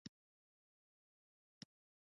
د دوی خلک په ویاړ ژوند کوي.